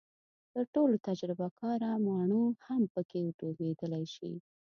تر ټولو تجربه کاره ماڼو هم پکې ډوبېدلی شي.